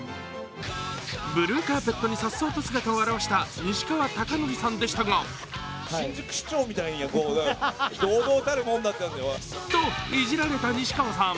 ブルーカーペットにさっそうと姿を現した西川貴教さんでしたがといじられた西川さん。